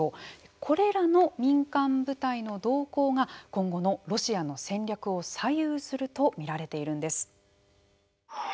これらの民間部隊の動向が今後のロシアの戦略を左右すると見られているんです。